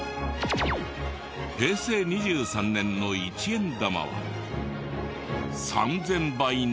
平成２３年の１円玉は３０００倍の。